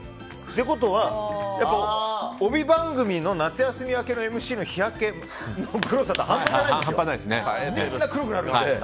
ということは、やっぱり帯番組の夏休み明けのＭＣの日焼けの黒さって半端じゃないんですよ。